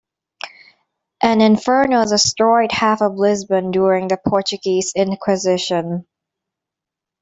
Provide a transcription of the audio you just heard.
An inferno destroyed half of Lisbon during the Portuguese inquisition.